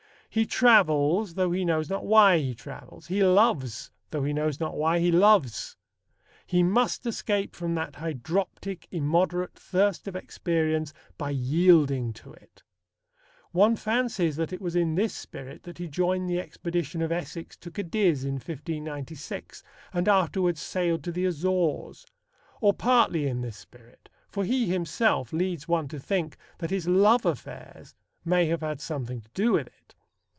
He travels, though he knows not why he travels. He loves, though he knows not why he loves. He must escape from that "hydroptic, immoderate" thirst of experience by yielding to it. One fancies that it was in this spirit that he joined the expedition of Essex to Cadiz in 1596 and afterwards sailed to the Azores. Or partly in this spirit, for he himself leads one to think that his love affairs may have had something to do with it.